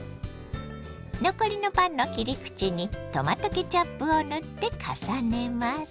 残りのパンの切り口にトマトケチャップを塗って重ねます。